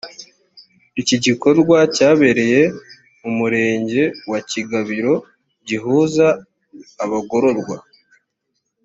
iki gikorwa cyabereye mu murenge wa kigabiro gihuza abagororwa